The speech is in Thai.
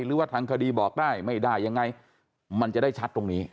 หรือว่าทางคดีบอกได้ไม่ได้ยังไงมันจะได้ชัดตรงนี้